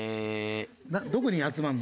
どこに集まるの？